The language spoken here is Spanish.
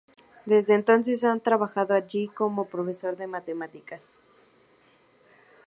Desde entonces ha trabajado allí como profesor de matemáticas.